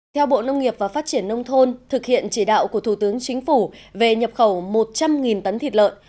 theo bộ nông nghiệp và phát triển nông thôn thực hiện chỉ đạo của thủ tướng chính phủ về nhập khẩu một trăm linh tấn thịt lợn